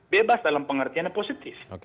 bebas dalam pengertiannya positif